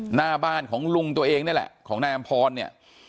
หน้าบ้านของลุงตัวเองนี่แหละของนายอำพรเนี่ย